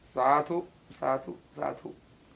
สาธุสาธุสาธุ